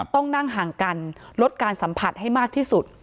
ต้องนั่งห่างกันลดการสัมผัสให้มากที่สุด